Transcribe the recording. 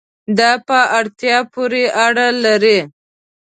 دا په اړتیا پورې اړه لري